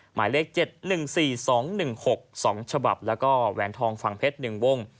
หมายเลข๗๑๔๒๑๖สองฉบับและแหวนทองฝั่งเพชรหนึ่งวง